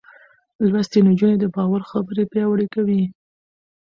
لوستې نجونې د باور خبرې پياوړې کوي.